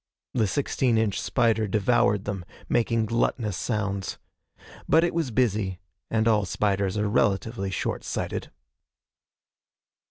The sixteen inch spider devoured them, making gluttonous sounds. But it was busy, and all spiders are relatively short sighted.